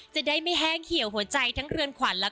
จะได้ไม่แห้งเหี่ยวหัวใจทั้งเรือนขวัญและ